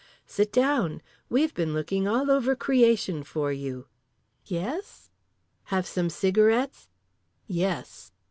"Sit down! We've been looking all over creation for you." "Yes?" "Have some cigarettes?" "Yes."